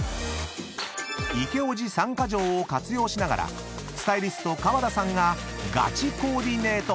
［イケおじ３カ条を活用しながらスタイリスト川田さんがガチコーディネート］